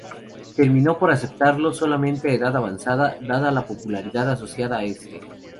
Terminó por aceptarlo solamente a edad avanzada, dada la popularidad asociada a este.